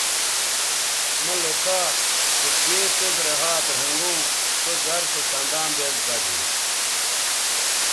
مہ لوکھا چہء کیں څیز رے ھات رھنگوں سو زر سو سنداں بیز بہ زے